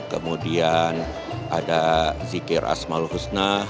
kemudian ada zikir asmaul husnah